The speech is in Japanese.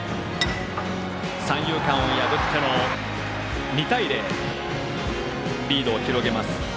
三遊間を破って、２対０とリードを広げます。